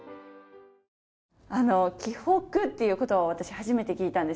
「驥北」っていう言葉を私初めて聞いたんですけど。